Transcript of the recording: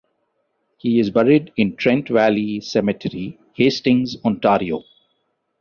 He is buried in Trent Valley Cemetery, Hastings, Ontario.